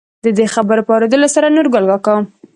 د دې خبرو په اورېدلو سره نورګل کاکا،